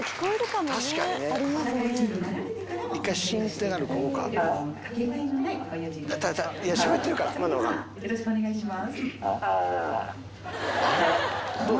それではよろしくお願いします。